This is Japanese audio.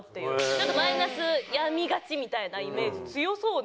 なんかマイナス病みがちみたいなイメージ強そうな。